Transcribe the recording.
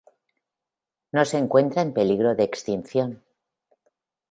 No se encuentra en peligro de extinción.